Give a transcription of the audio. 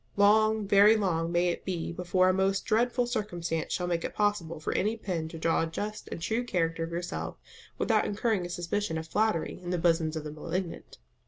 Long, very long may it be before a most dreadful circumstance shall make it possible for any pen to draw a just and true character of yourself without incurring a suspicion of flattery in the bosoms of the malignant.